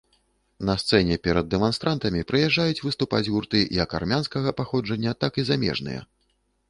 На сцэне перад дэманстрантамі прыязджаюць выступаць гурты як армянскага паходжання, так і замежныя.